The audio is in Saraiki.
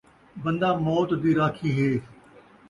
بندہ موت دی راکھی ہے